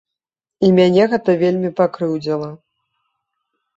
І мяне гэта вельмі пакрыўдзіла.